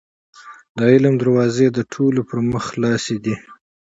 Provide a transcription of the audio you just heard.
د علم دروازې د ټولو پر مخ خلاصې دي.